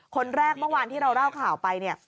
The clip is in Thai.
คนแรกเมื่อวานที่เราเล่าข่าวไปเนี่ย